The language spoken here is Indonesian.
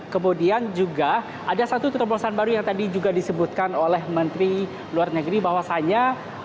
kemudian juga ada satu terobosan baru yang tadi juga disebutkan oleh menteri luar negeri bahwasannya